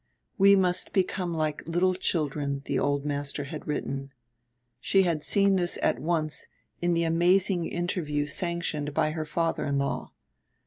"We must become like little children," the Old Master had written. She had seen this at once in the amazing interview sanctioned by her father in law.